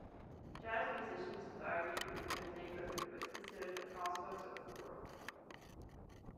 Jazz musicians thrived here and the neighborhood was considered the crossroads of the world.